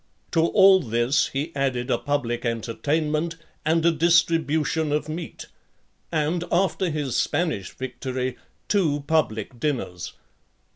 To all this he added a public entertainment, and a distribution of meat, and, after his Spanish victory , two public dinners.